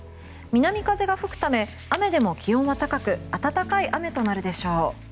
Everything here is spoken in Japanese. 南風が吹くため雨でも気温が高く暖かい雨となるでしょう。